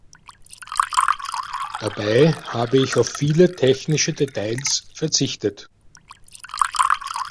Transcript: Dabei habe ich auf viele technische Details verzichtet.